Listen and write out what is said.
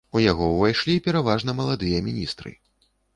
У яго ўвайшлі пераважна маладыя міністры.